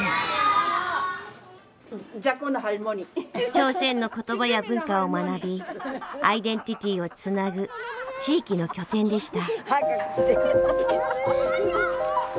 朝鮮の言葉や文化を学びアイデンティティーをつなぐ地域の拠点でした。